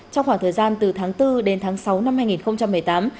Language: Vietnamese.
trong khoảng thời gian từ tháng bốn đến tháng sáu năm hai nghìn một mươi tám